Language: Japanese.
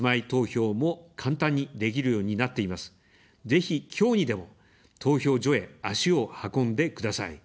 ぜひ、きょうにでも投票所へ足を運んでください。